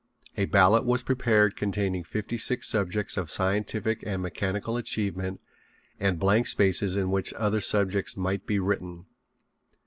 A ballot was prepared containing fifty six subjects of scientific and mechanical achievement and blank spaces in which other subjects might be written.